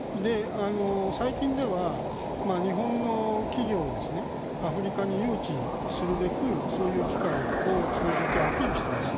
最近では日本の企業をアフリカに誘致するべくそういう機会を通じてアピールしています。